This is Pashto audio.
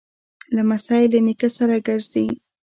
لمسی له نیکه سره ګرځي.